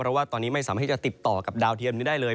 เพราะว่าตอนนี้ไม่สามารถที่จะติดต่อกับดาวเทียมนี้ได้เลย